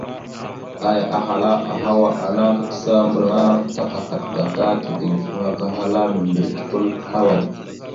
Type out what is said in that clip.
Aya ahala: « Ahawa ana kakǝsa mbarǝŋa ta kakaɗ, gata kideŋfaŋa kahala mimbirec kwal ahaway? ».